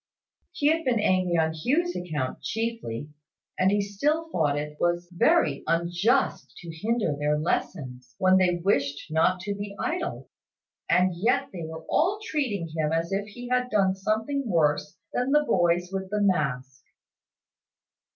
He had been angry on Hugh's account chiefly; and he still thought it was very unjust to hinder their lessons, when they wished not to be idle: and yet they were all treating him as if he had done something worse than the boys with the mask.